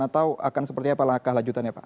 atau akan seperti apa langkah lanjutan ya pak